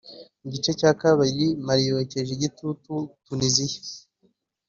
Mu gice cya kabiri Mali yokeje igitutu Tunisia